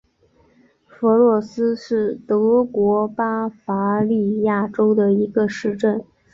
弗洛斯是德国巴伐利亚州的一个市镇。